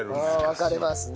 分かれますね。